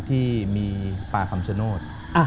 ที่มีป่าคำชโนธ